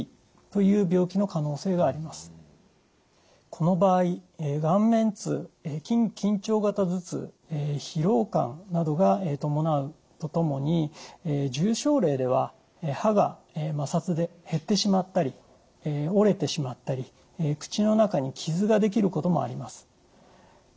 この場合顔面痛緊張型頭痛疲労感などが伴うとともに重症例では歯が摩擦で減ってしまったり折れてしまったり口の中に傷ができることもあります。